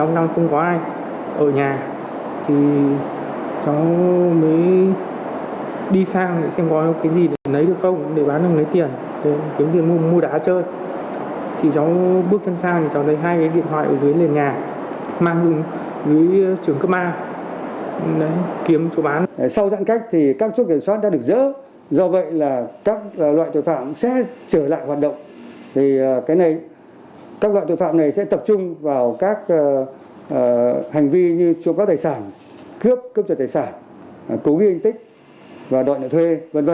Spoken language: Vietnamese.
phạm này sẽ tập trung vào các hành vi như trộm cắp tài sản cướp cướp trộm tài sản cố ghi hình tích đòi nợ thuê v v